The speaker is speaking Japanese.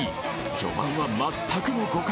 序盤は全くの互角。